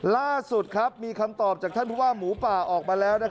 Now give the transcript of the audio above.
ล่าสุดมีคำตอบจากท่านผู้ว่าหมูป่าออกมาแล้ว